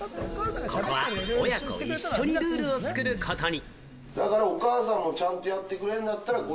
ここは親子一緒にルールを作ることに。